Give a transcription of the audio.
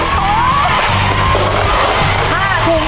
สามถุง